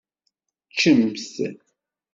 Ččemt.